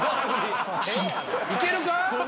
いけるか？